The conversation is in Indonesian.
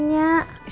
nggak ada apaan